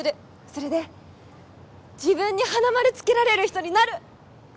それで自分に花丸つけられる人になる！